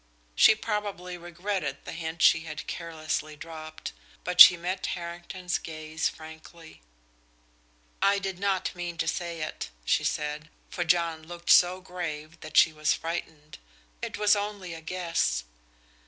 She probably regretted the hint she had carelessly dropped, but she met Harrington's gaze frankly. "I did not mean to say it," she said, for John looked so grave that she was frightened. "It was only a guess."